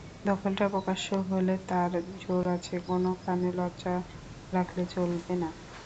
দখলটা প্রকাশ্য হলে তার জোর আছে, কোনোখানে লজ্জা রাকলে চলবে না।